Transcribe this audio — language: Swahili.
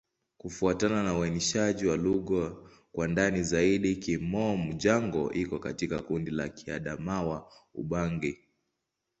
Kufuatana na uainishaji wa lugha kwa ndani zaidi, Kimom-Jango iko katika kundi la Kiadamawa-Ubangi.